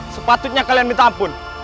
sepatutnya kalian minta ampun